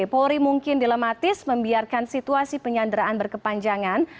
polri mungkin dilematis membiarkan situasi penyanderaan berkepanjangan